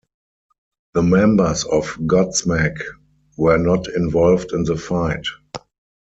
The members of Godsmack were not involved in the fight.